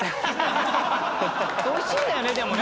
美味しいんだよねでもね。